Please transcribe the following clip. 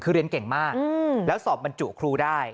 คือเรียนเก่งมากแล้วสอบบรรจุครูได้